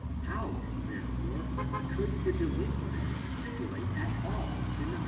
How, there fore, could the delinquent stipulate at all in the matter?